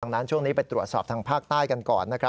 ดังนั้นช่วงนี้ไปตรวจสอบทางภาคใต้กันก่อน